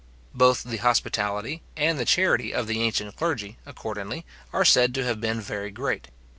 Both the hospitality and the charity of the ancient clergy, accordingly, are said to have been very great.